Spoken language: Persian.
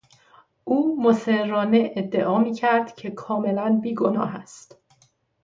او مصرانه ادعا میکرد که کاملا بیگناه است.